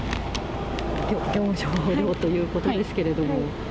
業務上横領ということですけれども？